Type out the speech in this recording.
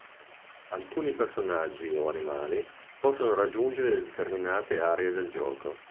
Alcuni personaggi o animali possono raggiungere determinate aree del gioco.